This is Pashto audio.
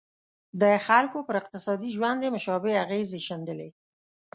د خلکو پر اقتصادي ژوند یې مشابه اغېزې ښندلې.